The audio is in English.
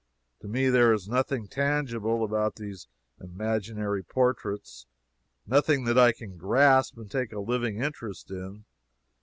To me there is nothing tangible about these imaginary portraits, nothing that I can grasp and take a living interest in.